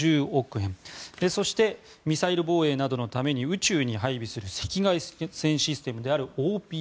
そしてミサイル防衛などのために宇宙に配備する赤外線システムＯＰＩＲ